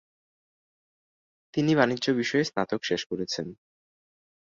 তিনি বাণিজ্য বিষয়ে স্নাতক শেষ করেছেন।